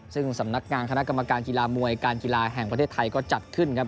ซึ่งสำนักงานคณะกรรมการกีฬามวยการกีฬาแห่งประเทศไทยก็จัดขึ้นครับ